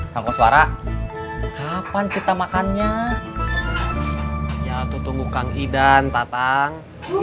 tangkos warah kapan kita makannya jatuh tunggu kang idan tatang